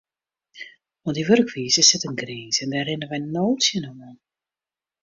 Oan dy wurkwize sit in grins en dêr rinne wy no tsjinoan.